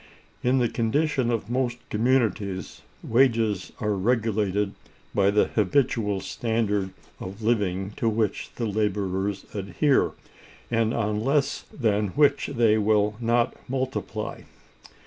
In the condition of most communities, wages are regulated by the habitual standard of living to which the laborers adhere, and on less than which they will not multiply.